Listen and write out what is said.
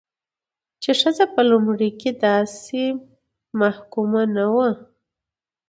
چې ښځه په لومړيو کې داسې محکومه نه وه،